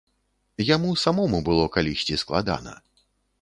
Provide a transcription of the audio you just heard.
Яму самому было калісьці складана.